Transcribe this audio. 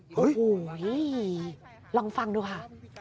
โอ้โฮเฮ่ยลองฟังดูค่ะ